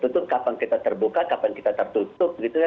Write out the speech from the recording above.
dan kapan kita tertutup kapan kita tertutup gitu ya